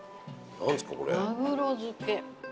マグロ漬け。